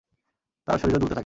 তার শরীরও দুলতে থাকে।